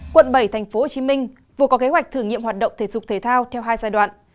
quận bảy tp hcm vừa có kế hoạch thử nghiệm hoạt động thể dục thể thao theo hai giai đoạn